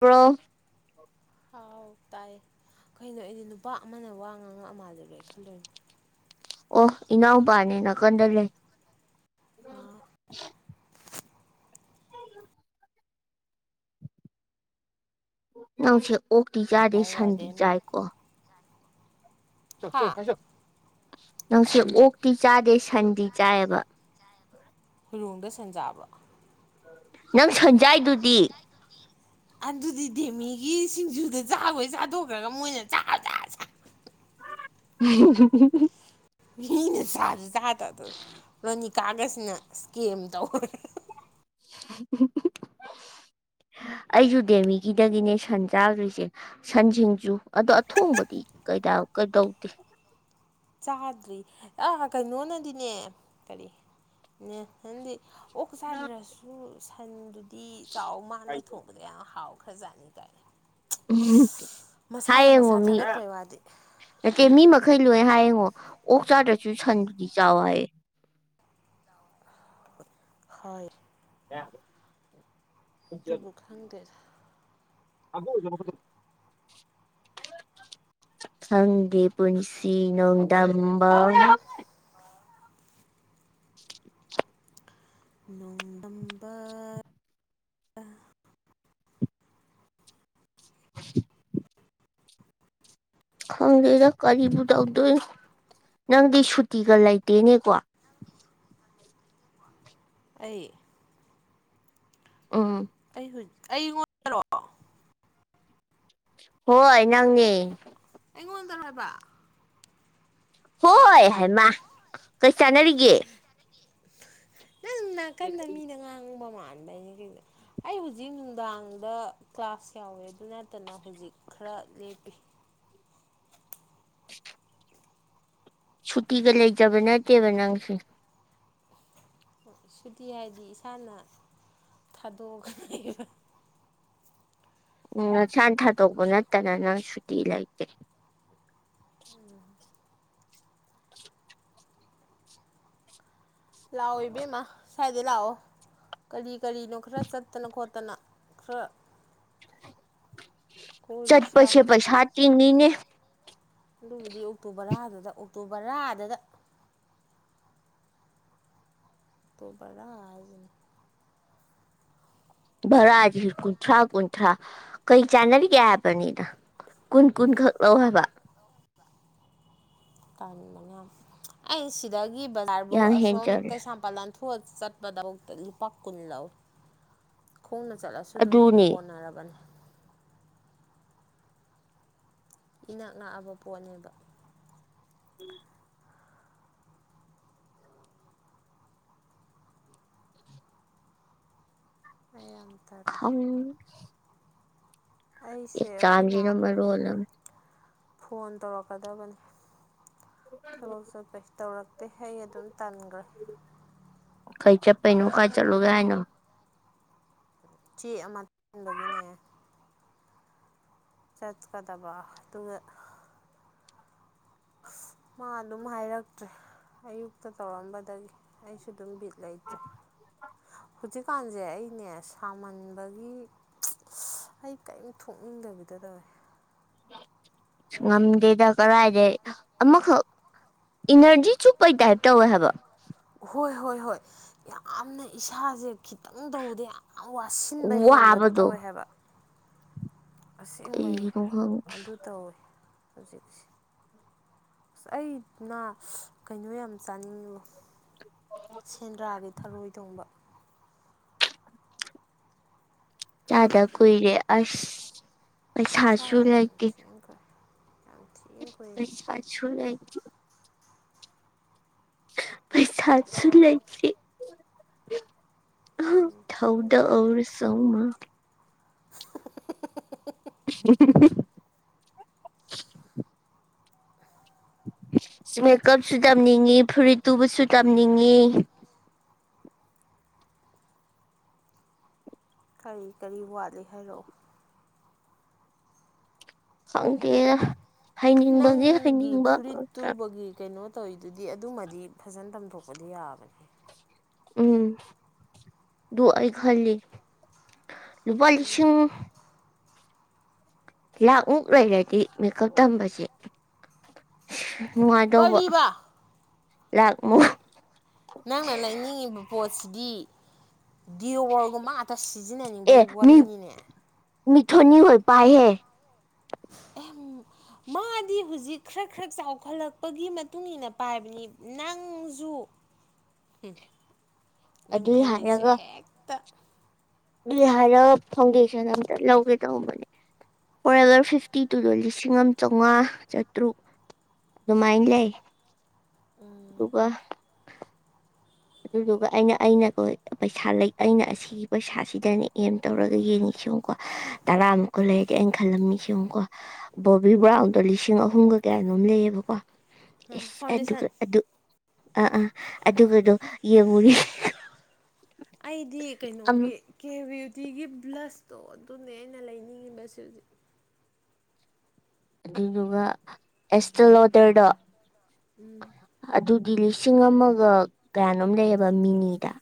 bro ꯍꯥꯎ ꯇꯥꯏꯌꯦ ꯀꯩꯅꯣ ꯑꯩꯗꯤ ꯅꯨꯄꯥ ꯑꯃꯅ ꯋꯥ ꯉꯥꯡꯉꯛ ꯑ ꯃꯥꯜꯂꯦ ꯂꯣꯏ ꯈꯜꯂꯨꯔꯦ ꯑꯣ ꯏꯅꯥꯎ ꯄꯥꯅꯦ ꯅꯥꯀꯟꯗ ꯂꯩ ꯁꯍ ꯉꯁꯥꯏ [unintelligible] ꯅꯪ ꯁꯤ ꯑꯣꯛꯇꯤ ꯆꯥꯗꯦ ꯁꯟꯗꯤ ꯋꯥꯔꯗꯦꯟꯅ ꯆꯥꯏꯀꯣ ꯆꯣ ꯍꯥ ꯑꯁ꯭ꯋꯥꯏ ꯆꯠꯂꯨ ꯅꯪꯁꯦ ꯑꯣꯛꯇꯤ ꯆꯥꯗꯦ ꯁꯟꯗꯤ ꯆꯥꯏꯌꯦꯕ ꯍꯨꯏꯔꯣꯡꯗ ꯁꯟ ꯆꯥꯕ꯭ꯔꯣ ꯅꯪ ꯁꯟ ꯆꯥꯏꯗꯨꯗꯤ ꯑꯗꯨꯗꯤ ꯗꯦꯃꯤꯒꯤ ꯁꯤꯡꯖꯨꯗꯨ ꯆꯥꯒꯣꯏ ꯆꯥꯊꯣꯛꯈ꯭ꯔꯒ ꯃꯣꯏꯅ ꯆꯥ ꯆꯥ ꯆꯥ ꯎꯍꯨꯝ ꯍꯨꯝ ꯎꯍꯨꯝ ꯎꯍꯨꯝ ꯃꯤꯅ ꯆꯥ ꯆꯥ ꯇ ꯇ ꯔꯅꯤ ꯀꯥꯒꯁꯅ ꯏꯁꯀꯦꯝ ꯇꯧꯈ꯭ꯔꯦ ꯍꯦ ꯍꯦ ꯎꯍꯨꯛ ꯎꯍꯨꯛ ꯎꯍꯨꯛ ꯑꯩꯖꯨ ꯗꯦꯃꯤꯒꯤꯗꯒꯤꯅꯦ ꯁꯟ ꯆꯥꯒ꯭ꯔꯤꯁꯦ ꯁꯟꯁꯤꯡꯖꯨ ꯑꯗꯣ ꯑꯊꯣꯡꯕꯗꯤ ꯀꯩꯗꯥꯎ ꯀꯩꯗꯧꯗꯦ ꯆꯥꯗ꯭ꯔꯤ ꯑꯥ ꯀꯩꯅꯣꯅꯗꯤꯅꯦ ꯀꯔꯤ ꯅꯦꯜꯁꯟꯗꯤ ꯑꯣꯛ ꯆꯥꯗ꯭ꯔꯁꯨ ꯁꯟꯗꯨ ꯇꯤ ꯆꯥꯎ ꯃꯥꯅ ꯊꯣꯡꯕꯗ ꯌꯥꯝ ꯍꯥꯎ ꯈꯖꯥꯠꯅꯤ ꯒꯥꯏꯅ ꯍꯥꯏꯉ ꯃꯃꯤ ꯊꯥꯒꯠꯄꯩ ꯋꯥꯗꯤ ꯅꯠꯇ ꯃꯤ ꯃꯈꯩ ꯂꯣꯏ ꯍꯥꯏꯌꯦꯡꯉꯣ ꯑꯣꯛ ꯆꯥꯗ꯭ꯔꯁꯨ ꯁꯟꯗꯨꯗꯤ ꯆꯥꯎ ꯍꯥꯏꯌꯦ ꯍꯣꯏ ꯌꯥ ꯑꯗꯨꯕꯨ ꯈꯪꯗꯦꯗ ꯁꯪꯒꯤ ꯄꯨꯟꯁꯤ ꯅꯣꯡꯗꯥꯝꯕꯥ ꯅꯣꯡꯗꯝꯕ [inaudible] ꯈꯪꯗꯣꯏꯔꯥ ꯀꯔꯤꯕꯨ ꯇꯧꯗꯣꯏ ꯅꯪꯗꯤ ꯁꯨꯇꯤꯒ ꯂꯩꯇꯦꯅꯦꯀꯣ ꯑꯩ ꯑꯣ ꯑꯩ ꯑꯩꯉꯣꯟꯔꯛꯑꯣ [unintelligible] ꯍꯣꯏ ꯅꯪꯅꯦ ꯑꯩꯉꯣꯟꯗꫪꯣ ꯍꯥꯏꯕ ꯍꯣꯏ ꯍꯩꯃꯥ ꯀꯩ ꯆꯥꯟꯅꯔꯤꯒꯦ [inaudible] ꯅꯪ ꯅꯥꯀꯟꯗ ꯃꯤꯗ ꯉꯥꯡꯕ ꯃꯥꯂ ꯑꯩ ꯍꯧꯖꯤꯛ ꯅꯨꯡꯗꯥꯡꯗ ꯀ꯭ꯂꯥꯁ ꯌꯥꯎꯋꯦ ꯑꯗꯨ ꯅꯠꯇꯅ ꯍꯧꯖꯤꯛ ꯈꯔ ꯂꯦꯞꯄꯤ [inaudible] ꯁꯨꯇꯤꯒ ꯂꯩꯖꯕ ꯅꯠꯇꯦꯕ ꯅꯪꯁꯦ ꯁꯨꯇꯤ ꯍꯥꯏꯕꯗꯤ ꯏꯁꯥꯅ ꯊꯥꯗꯣꯛꯑꯈ ꯎꯝ ꯁꯥ ꯊꯥꯗꯣꯛꯄ ꯅꯠꯇꯅ ꯅꯪ ꯁꯨꯇꯤ ꯂꯩꯇꯦ ꯎꯝ ꯂꯥꯛꯑꯣ ꯏꯕꯦꯝꯃ ꯁ꯭ꯋꯥꯏꯗꯩ ꯂꯥꯛꯑꯣ ꯀꯔꯤ ꯀꯔꯤꯅꯣ ꯈꯔ ꯆꯠꯇꯅ ꯈꯣꯠꯇ ꯇꯅ ꯈꯔ ꯀꯣꯏꯔꯨꯁꯤ ꯂꯥꯎ ꯆꯠꯄꯁꯦ ꯄꯩꯁꯥ ꯇꯤꯡꯅꯤꯅꯦ ꯑꯗꯨꯕꯨꯗꯤ ꯑꯣꯛꯇꯣꯕꯔꯥꯗꯨꯗ ꯑꯣꯛꯇꯣꯕꯔꯥꯗꯨꯗ ꯑꯣꯛꯇꯣ ꯕꯔꯥ ꯍꯥꯏꯖꯤꯅꯤ ꯚꯔꯥꯗꯤ ꯀꯨꯟꯊ꯭ꯔꯥ ꯀꯨꯟꯊ꯭ꯔꯥ ꯀꯩ ꯆꯥꯟꯅꯔꯤꯒꯦ ꯍꯥꯏꯕꯅꯤꯅ ꯀꯨꯟ ꯀꯨꯟ ꯈꯛ ꯂꯧ ꯍꯥꯏꯕ ꯇꯥꯔꯤꯛ ꯃꯉꯥ ꯑꯩ ꯁꯤꯗꯥꯥꯏ ꯃꯤ ꯕꯖꯥꯔꯕꯨ ꯌꯥꯝ ꯑꯁꯣꯝ ꯍꯦꯟꯖꯜꯂꯦ ꯀꯩꯁꯥꯝ ꯄꯥꯂꯟ ꯆꯠꯕꯗꯥꯕ ꯂꯨ ꯄꯥꯛ ꯀꯨꯟ ꯂꯑꯣ ꯈꯣꯡꯅ ꯆꯠꯂꯁꯨ ꯑꯗꯨꯝ ꯑꯗꯨꯅꯦ ꯀꯣꯟꯅꯔꯕꯅꯤ ꯏꯅꯥꯛ ꯂꯛꯑꯕ ꯄꯣꯠꯅꯦꯕ ꯎꯝ ꯑꯩ ꯌꯥꯝ ꯇꯜꯂꯦ ꯎꯝ ꯑꯩꯁꯦ ꯏꯖꯝ ꯑꯩꯈꯣꯏ ꯅꯍꯥ ꯁꯤꯅꯥ ꯃꯥꯔꫭꯜ ꯑꯃꯥ ꯐꯣꯟ ꯇꯧꯔꯛꯀꯗꯕꯅꯤ ꯊꯕꯛ ꯆꯠꯄꯩ ꯇꯧꯔꯛꯇꯦ ꯑꯩ ꯑꯗꯨꯝ ꯇꯟꯈ꯭ꯔꯦ ꯀꯩ ꯆꯞꯄꯩ ꯅ ꯈꯥꯏ ꯆꯂꯨꯒꯦꯅ ꯆꯦ ꯑꯃ ꯇꯕꯒꯤꯅꯦ ꯆꯠꯀꯗꯕ ꯇꯨ ꯃꯥ ꯑꯗꯨꯝ ꯍꯥꯏꯔꯛꯇ꯭ꯔꯦ ꯑꯌꯨꯛꯇ ꯇꯧꯔꯝꯕꯗꯒꯤ ꯑꯩꯁꯨ ꯑꯗꯨꯝ ꯕꯤ ꯂꯩꯇ꯭ꯔꯦ ꯍꯧꯖꯤꯛ ꯗꯨꯄꯥꯟꯁꯦ ꯑꯩꯅꯦ ꯁꯥꯃꯟꯕꯒꯤ ꯑꯩ ꯀꯔꯤꯝ ꯊꯣꯛꯅꯤꯡꯗꯕꯤꯗ ꯇꯧꯋꯦ ꯉꯝꯗꯦꯗ ꯀꯔꯥꯏꯗ ꯑꯃꯈꯛ ꯏꯅꯔꯖꯤ ꯆꯨꯞꯄꯩ ꯇꯥꯏꯞ ꯇꯧꯋꯦ ꯍꯥꯏꯕ ꯍꯣꯏ ꯍꯣꯏ ꯍꯣꯏ ꯌꯥꯝꯅ ꯏꯁꯥꯁꯦ ꯈꯤꯇꯪ ꯇꯧꯕꯗ ꯌꯥꯝ ꯋꯥꯁꯤꯟꯕ ꯍꯦꯟꯕꯗꯨ ꯋꯥꯕꯗꯣ ꯇꯧꯋꯦ ꯍꯥꯏꯕ ꯑꯁꯦꯡꯕꯩ ꯀꯩꯒꯤꯅꯣ ꯈꯪ ꯑꯗꯨ ꯇꯧꯏꯤ ꯍꯧꯖꯤꯛꯁ ꯑꯁ ꯑꯩꯅ ꯀꯩꯅꯣ ꯌꯥꯝ ꯆꯥꯅꯤꯡꯉꯨ ꯁꯦꯟꯗ꯭ꯔꯥꯒꯤ ꯊꯔꯣꯏ ꯊꯣꯡꯕ ꯆꯥꯗ ꯀꯨꯏꯔꯦ ꯑꯁ ꯑꯩꯁꯁꯨꯁꯨ ꯆꯥꯗ ꯌꯥꯝ ꯂꯒꯦ ꯊꯤꯅ ꯀꯨꯏ ꯌꯥꯝ ꯊꯤꯅ ꯀꯨꯏ ꯁ ꯄꯁꯨꯨ ꯌꯥ ꯄꯩꯁꯥꯁꯨ ꯂꯩꯦꯁꯤ ꯌꯥꯝ ꯊꯥꯎꯗ ꯊꯤꯅ ꯇꯜꯂꯤ ꯑꯣꯔ ꯁꯧꯃ [unintelligible] ꯃꯦꯀꯞꯁꯨ ꯇꯝꯅꯤꯡꯉꯤ ꯐꯨꯔꯤꯠ ꯇꯨꯕꯁꯨ ꯇꯝꯅꯤꯡꯉꯤ ꯀꯔꯤ ꯀꯔꯤ ꯋꯥꯠꯂꯤ ꯍꯥꯏꯔꯛꯑꯣ ꯁꯪꯀꯦ ꯅꯪꯒꯤ ꯐꯨꯔꯤꯗꯨꯕꯒꯤ ꯀꯩꯅꯣ ꯇꯧꯔꯤꯗꯨꯗꯤ ꯑꯗꯨꯃꯗꯤ ꯐꯖꯅ ꯇꯝꯊꯣꯛꯄꯗꯤ ꯌꯥꯕꯅꯦ ꯎꯝ ꯑꯩ ꯈꯔꯜꯂꯤ ꯑꯗꯨ ꯄꯥꯂꯤꯁꯤꯡ ꯐꯖꯅ ꯂꯥꯛ ꯑꯃꯨꯛ ꯂꯩꯣꯏ ꯂꯩꯦꯇ ꯃꯦꯀꯞ ꯊꯝꯝꯕꯁꯦ ꯅꯨꯡꯉꯥꯏꯗꯧꯕ ꯀꯔꯤꯕ ꯂꯥꯛꯃ ꯏꯁꯄꯣꯔꯠꯁꯗꯤ ꯗꯔꯒꯨꯝ ꯑ ꯑ ꯁꯤꯖꯤꯟꯅꯅꯤꯡꯕꯩ ꯋꯥꯔꯤꯂꯤꯅꯤꯅꯦ ꯃꯤꯊꯅꯤ ꯍ ꯄꯥꯏꯍꯦ ꯑ ꯃꯥꯗꯤ ꯍꯧꯖꯤꯛ ꯈꯔ ꯈꯔ ꯆꯥꯎꯈꯠꯂꯛꯄꯒꯤ ꯃꯇꯨꯡ ꯃꯇꯨꯡꯏꯟꯅ ꯄꯥꯏꯕꯅꯤ ꯅꯪꯁꯨ ꯎ ꯅꯪ ꯑꯗꯨꯏ ꯈꯜꯂꯤꯁꯦ ꯍꯦꯛꯇ ꯕꯤꯍꯥꯔ ꯐꯥꯎꯟꯗꯦꯁꯟ ꯑꯝꯇ ꯂꯧꯒꯦ ꯇꯧꯕꯅꯦ ꯐꯣꯔ ꯍꯒꯔ ꯐꯤꯐꯇꯤ ꯇꯨꯗꯣ ꯂꯤꯁꯤꯡ ꯑꯃ ꯆꯥꯝꯃꯉꯥ ꯆꯥꯇ꯭ꯔꯨꯛ ꯑꯗꯨꯃꯥꯏꯅ ꯂꯩ ꯑꯗꯨꯒꯒꯥ ꯑꯗꯨꯗꯨꯒ ꯑꯩꯅ ꯑꯩꯅꯀꯣ ꯄꯩꯁꯥ ꯑꯩꯅ ꯑꯁꯤꯒꯤ ꯄꯩꯁꯥꯁꯤꯗꯩꯅ ꯑꯦꯝ ꯇꯧꯔꯒ ꯌꯦꯡꯉꯁꯤꯡꯉꯨꯀꯣ ꯇꯔꯥꯃꯨꯛꯀ ꯂꯩꯔꯗꯤ ꯑꯩꯅ ꯈꯜꯂꯝꯃꯤꯁꯤꯡꯉꯨꯀꯣ ꯕꯣꯕꯤ ꯕ꯭ꯔꯥꯎꯟꯗꯣ ꯂꯤꯁꯤꯡ ꯑꯍꯨꯝꯒ ꯀꯌꯥꯅꯣꯝ ꯂꯩꯌꯦꯕꯀꯣ ꯏꯩ ꯑꯗꯨ ꯐꯥꯎꯟꯗꯦꯁꯟ ꯑꯗꯨ ꯑ ꯑꯥ ꯑꯗꯨ ꯒ ꯗꯣ ꯑꯩꯗꯤ ꯀꯩꯅꯣꯒꯤ ꯀꯦ ꯕꯤꯌꯨꯇꯤꯒꯤ ꯕ꯭ꯂꯁ ꯇꯣ ꯑꯗꯨꯅꯦ ꯑꯩꯅ ꯂꯩꯅꯤꯡꯉꯤꯕꯁ ꯍꯧꯖꯤꯛ ꯑꯗꯨꯗꯨꯒ ꯑꯦꯁ ꯂꯣꯗꯔꯗꯣ ꯎꯝ ꯗꯤ ꯂꯤꯁꯤꯡ ꯑꯃꯒ ꯀꯌꯥꯅꯣꯝ ꯂꯩꯌꯦꯕ ꯃꯤꯅꯤꯗ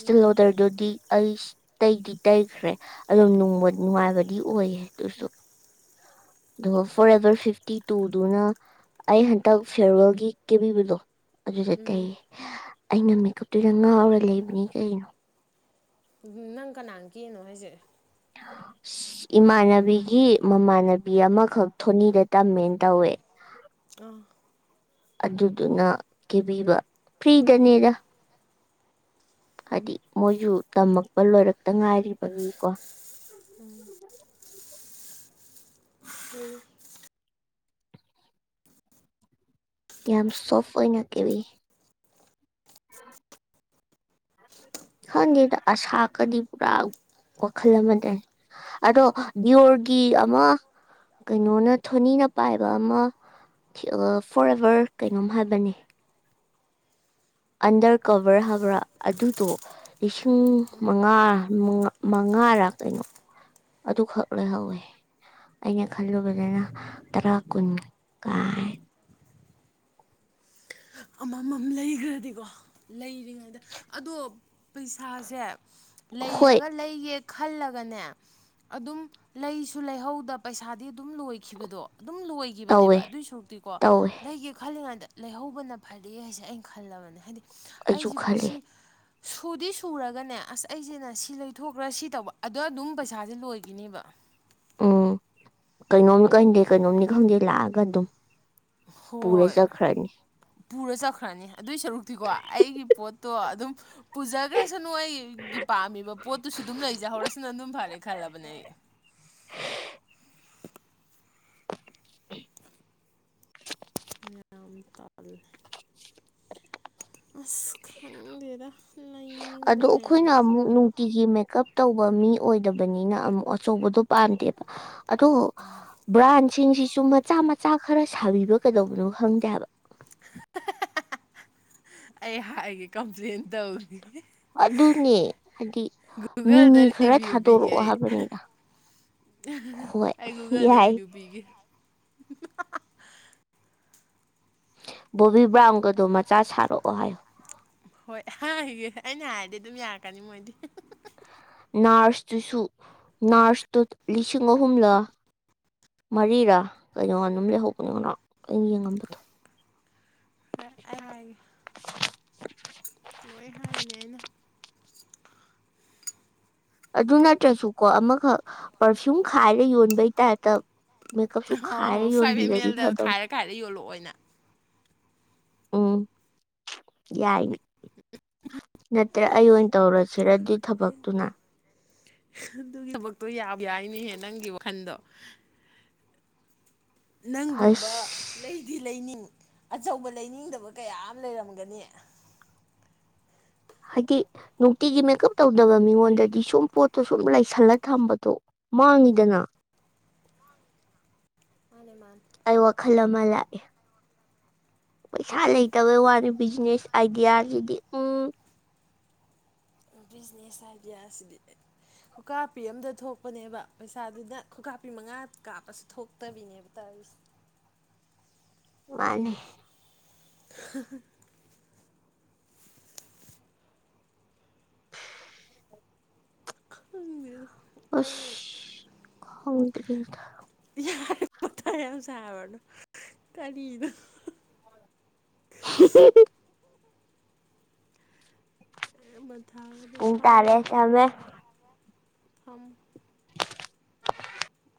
ꯎꯝ ꯗꯗꯤ ꯑꯩꯁ ꯇꯩꯗꯤ ꯇꯩꯈ꯭ꯔꯦ ꯑꯗꯨꯝ ꯅꯨꯡꯉꯥꯏꯕꯗꯤ ꯑꯣꯏꯌꯦ ꯑꯗꯨꯁꯨ ꯑꯗꯨꯒ ꯐꯣꯔ ꯑꯦꯚꯔ ꯐꯤꯐꯇꯤ ꯇꯨꯗꯨꯅ ꯑꯩ ꯍꯟꯇꯛ ꯐꯤꯌꯔꯋꯦꯜꯒꯤ ꯀꯦꯕꯤꯕꯗꯣ ꯑꯗꯨꯖꯤ ꯁꯇ ꯑꯩꯅ ꯃꯦꯀꯞꯇꯨꯗ ꯉꯥꯎꯔ ꯂꯩꯕꯅꯤ ꯀꯩꯅꯣ ꯎ ꯅꯪ ꯀꯅꯥ ꯀꯦꯔꯤꯅꯣ ꯍꯥꯏꯁꯦ ꯏꯃꯥꯟꯅꯕꯤꯒꯤ ꯃꯃꯥꯟꯅꯕꯤ ꯑꯃꯈꯛ ꯊꯣꯅꯤꯗ ꯇꯝꯃꯦꯅ ꯇꯧꯋꯦ ꯑꯥ ꯑꯗꯨꯗꯨꯅ ꯀꯦꯕꯤꯕ ꯐ꯭ꯔꯔꯤꯗꯅꯦꯔ ꯍꯥꯏꯗꯤ ꯃꯣꯏꯁꯨ ꯇꯝꯃꯛꯄ ꯂꯣꯏꯔꯛꯇ ꯉꯥꯏꯔꯤꯕꯒꯤꯀꯣ ꯎꯝ ꯎꯝ ꯌꯥꯝ ꯁꯣꯐ ꯁꯣꯔꯊ ꯑꯣꯏꯅꯥ ꯀꯦꯕꯤ ꯈꯪꯗꯦꯗ ꯑꯁꯥꯀꯗꯤ ꯄꯨꯔꯥ ꯋꯥꯈꯜ ꯑꯃꯗ ꯑꯗꯣ ꯕꯤꯌꯣꯔꯒꯤ ꯑꯃ ꯀꯩꯅꯣꯅ ꯊꯣꯅꯤꯅ ꯄꯥꯏꯕ ꯑꯃ ꯐꯣꯔ ꯑꯦꯚꯔ ꯀꯩꯅꯣꯝ ꯍꯥꯏꯕꯅꯦ ꯑꯟꯗꯔ ꯀꯚꯔ ꯍꯥꯏꯕ꯭ꯔꯥ ꯑꯗꯨꯗꯣ ꯂꯤꯁꯤꯡ ꯃꯉꯥ ꯃꯉꯥꯔꯥ ꯀꯩꯅꯣ ꯑꯗꯨꯈꯛ ꯂꯣꯏꯍꯧꯋꯦ ꯑꯩꯅ ꯈꯜꯂꯨꯕꯗꯅ ꯇꯔꯥ ꯀꯨꯟ ꯀꯥꯏ ꯑꯃꯃꯝ ꯂꯩꯈ꯭ꯔꯗꯤꯀꯣ ꯂꯩꯔꯤꯉꯩꯗ ꯑꯗꯣ ꯄꯩꯁꯥꯁꯦ ꯍꯣꯏ ꯂꯩꯔꯒ ꯂꯩꯒꯦ ꯈꯜꯂꯒꯅꯦ ꯑꯗꯨꯝ ꯂꯩꯁꯨ ꯂꯩꯍꯧꯗ ꯄꯩꯁꯥꯗꯤ ꯑꯗꯨꯝ ꯂꯣꯏꯈꯤꯕꯗꯣ ꯑꯗꯨꯝ ꯇꯧꯋꯦ ꯂꯣꯏꯈꯤꯕꯅꯦꯕ ꯑꯗꯨꯏꯁꯨꯛꯇꯤꯀꯣ ꯇꯧꯋꯦ ꯂꯩꯒꯦ ꯈꯜꯂꯤꯉꯩꯗ ꯂꯩꯍꯧꯕꯅ ꯐꯔꯦ ꯍꯥꯏꯁꯦ ꯑꯩꯅ ꯈꯜꯂꯕꯅꯦ ꯍꯥꯏꯗꯤ ꯑꯩꯁꯨ ꯑꯩꯁꯤꯕꯨ ꯈꯜꯂꯦ ꯁꯤ ꯁꯨꯗꯤ ꯁꯨꯔꯒꯅꯦ ꯑꯁ ꯑꯩꯁꯦꯅ ꯁꯤ ꯂꯩꯊꯣꯛꯈ꯭ꯔꯥ ꯁꯤ ꯇꯧꯕ ꯑꯗ ꯑꯗꯨꯝ ꯄꯩꯁꯥꯁꯦ ꯂꯣꯏꯒꯤꯅꯦꯕ ꯎꯝ ꯀꯩꯅꯣꯝꯅꯤ ꯈꯟꯗꯦ ꯀꯩꯅꯣꯝꯅꯤ ꯈꯪꯗꯦ ꯂꯥꯛꯑꯒ ꯑꯗꯨꯝ ꯄꯨꯔ ꯍꯣꯏ ꯆꯠꯈ꯭ꯔꯅꯤ ꯄꯨꯔ ꯆꯠꯈ꯭ꯔꯅꯤ ꯑꯗꯨꯏ ꯁꯔꯨꯛꯇꯤꯀꯣ ꯑꯩꯒꯤ ꯄꯣꯠꯇꯣ ꯑꯗꯨꯝ ꯎ ꯄꯨꯖꯈ꯭ꯔꯁꯅꯨ ꯑꯩꯒꯤ ꯄꯥꯝꯃꯤꯕ ꯄꯣꯠꯇꯨꯁꯨ ꯑꯗꯨꯝ ꯂꯩꯖꯍꯧꯔꯁꯤꯅ ꯑꯗꯨꯝ ꯐꯔꯦ ꯈꯜꯂꯕꯅꯦ ꯑꯩ [unintelligible] ꯑ [unintelligible] ꯑꯁ ꯈꯪꯗꯦꯔ ꯑꯗꯣ ꯑꯩꯈꯣꯏꯅ ꯑꯃꯨꯛ ꯅꯨꯡꯇꯤꯒꯤ ꯃꯦꯀꯞ ꯇꯧꯕ ꯃꯤ ꯑꯣꯏꯗꯕꯅꯤꯅ ꯑꯃꯨꯛ ꯑꯆꯧꯕꯗꯣ ꯄꯥꯝꯗꯦꯕ ꯑ ꯕ꯭ꯔꯥꯟꯁꯤꯡꯁꯤꯁꯨ ꯆꯨꯝ ꯃꯆꯥ ꯃꯆꯥ ꯈꯔ ꯁꯥꯕꯤꯕ ꯀꯩꯗꯧꯕꯅꯣ ꯈꯪꯗꯦꯕ ꯑꯩ ꯍꯥꯏꯒꯦ ꯀꯝꯄ꯭ꯂꯦꯟ ꯇꯧꯅꯤ ꯑꯗꯨꯅꯦ ꯍꯥꯏꯗꯤ ꯒꯨꯒꯜꯗ ꯃꯤꯅꯤ ꯈꯔ ꯔꯤꯚꯤꯌꯨ ꯄꯤꯒꯦ ꯊꯥꯗꯣꯔꯛꯑꯣ ꯑꯩ ꯍꯥꯏꯕꯅꯤꯅ ꯍꯣꯏ ꯑꯩ ꯒꯨꯒꯜꯗ ꯌꯥꯏ ꯔꯤꯚꯤꯌꯨ ꯄꯤꯒꯦ ꯕꯣꯕꯤ ꯕ꯭ꯔꯥꯎꯟꯒꯗꯣ ꯃꯆꯥ ꯁꯥꯔꯛꯑꯣ ꯍꯥꯏꯌꯣ ꯍꯣꯏ ꯑꯩꯅ ꯍꯥꯏꯔꯗꯤ ꯑꯗꯨꯝ ꯌꯥꯔꯛꯀꯅꯤ ꯃꯣꯏꯗꯤ ꯅꯥꯔꯁꯇꯨꯁꯨ ꯔꯁꯇꯨ ꯂꯤꯁꯤꯡ ꯑꯍꯨꯝꯂꯥ ꯃꯔꯤꯔꯥ ꯀꯩꯅꯣ ꯑꯗꯨꯝ ꯂꯩꯍꯧꯕꯅꯤꯅꯣ ꯑ [inaudible] ꯑꯗꯨ ꯅꯠꯇ꯭ꯔꯁꯨꯀꯣ ꯑꯃꯈꯛ ꯄꯔꯐ꯭ꯌꯨꯝ ꯈꯥꯏꯔ ꯌꯣꯟꯕꯩꯇꯥꯔꯦ ꯍꯣꯏ ꯍꯣꯏ ꯐꯥꯏꯚ ꯑꯦꯝ ꯑꯦꯜꯗ ꯐꯗꯧ ꯈꯥꯏꯔ ꯈꯥꯏꯔ ꯌꯣꯜꯂꯛꯑꯣꯅ ꯎꯝ ꯌꯥꯏꯅꯦ ꯅꯠꯇ꯭ꯔ ꯑꯌ ꯇꯧꯔꯁꯤꯔꯗꯤ ꯊꯕꯛꯇꯨꯅ ꯑꯗꯨꯒꯤ ꯊꯕꯛꯇꯣ ꯌꯥꯕ ꯌꯥꯏꯅꯦꯍꯦ ꯅꯪꯒꯤ ꯋꯥꯈꯜꯗꯣ ꯅꯪꯒꯨꯝꯕ ꯍꯁ ꯂꯩꯗꯤ ꯂꯩꯅꯤꯡ ꯑꯆꯧꯕ ꯂꯩꯅꯤꯡꯗꯕ ꯀꯌꯥ ꯑꯃ ꯂꯩꯔꯝꯒꯅꯤ ꯍꯥꯏꯗꯤ ꯅꯨꯡꯇꯤꯒꯤ ꯃꯦꯀꯞ ꯇꯧꯗꯕ ꯃꯤꯉꯣꯟꯗꯗꯤ ꯁꯨꯝ ꯄꯣꯠꯇꯣ ꯁꯨꯝ ꯂꯩꯁꯜꯂ ꯊꯝꯕꯗꯣ ꯃꯥꯡꯉꯤꯗꯅ ꯃꯥꯅꯦ ꯃꯥꯅꯦ ꯑꯩ ꯋꯥꯈꯜ ꯑꯃ ꯂꯥꯛꯑꯦ ꯄꯩꯁꯥ ꯂꯩꯇꯕꯩ ꯋꯥꯅꯤ ꯕꯤꯖꯤꯅꯦꯁ ꯑꯥꯏꯗꯤꯌꯥꯁꯤꯗꯤ ꯎꯝ ꯕꯤꯖꯤꯅꯦꯁ ꯑꯥꯏꯗꯤꯌꯥꯁꯤꯗꯤ ꯈꯨꯀꯥꯄꯤ ꯑꯝꯗ ꯊꯣꯛꯄꯅꯦꯕ ꯄꯩꯁꯥꯗꯨꯅ ꯈꯨꯀꯥꯄꯤ ꯃꯉꯥ ꯀꯥꯞꯄꯁꯨ ꯊꯣꯛꯇꯕꯤꯅꯦꯕ ꯇꯧꯔꯤꯔꯤꯁꯦ ꯃꯥꯅꯦ [inaudible] ꯈꯪꯃꯦꯗ ꯑ ꯍꯪ [unintelligible] ꯄꯅꯦꯁꯥꯕꯅ ꯇꯔꯤꯗ ꯃ ꯎꯨꯡ ꯇꯥꯔꯦꯁꯦ ꯑꯃꯦ ꯑꯝ